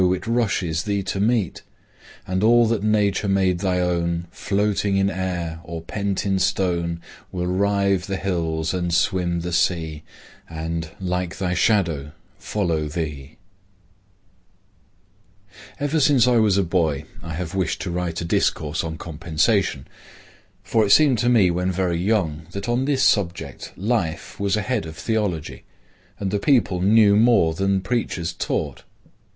it rushes thee to meet; And all that Nature made thy own, Floating in air or pent in stone, Will rive the hills and swim the sea And, like thy shadow, follow thee. COMPENSATION Ever since I was a boy I have wished to write a discourse on Compensation; for it seemed to me when very young that on this subject life was ahead of theology and the people knew more than the preachers taught.